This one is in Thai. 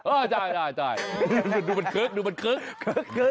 โอ้โหดูเหมือนเครก